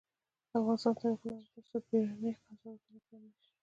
افغانستان تر هغو نه ابادیږي، ترڅو بیړني قضاوتونه بند نشي.